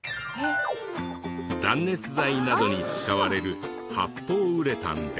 断熱材などに使われる発泡ウレタンで。